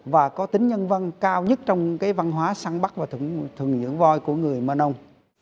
và có tính nhân văn cao nhất trong cái văn hóa săn bắt và thuần dưỡng voi của người mờ nông